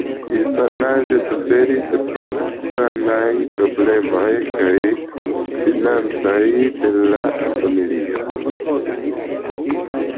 Infanaĝe suferis pro sanaj problemoj kaj financaj de la familio.